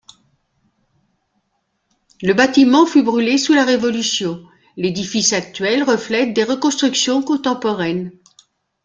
Le bâtiment fut brûlé sous la Révolution, l'édifice actuel reflètent des reconstructions contemporaines.